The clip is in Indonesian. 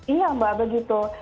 iya mbak begitu